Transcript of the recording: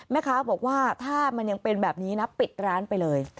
แม่ค้าบอกว่าถ้ามันยังเป็นแบบนี้นะปิดร้านไปเลย